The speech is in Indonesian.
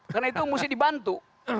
karena itu mesti dibantu